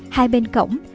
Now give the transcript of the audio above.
hai bên cổng